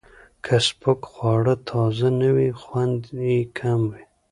که سپک خواړه تازه نه وي، خوند یې کم وي.